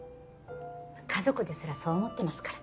家族ですらそう思ってますから。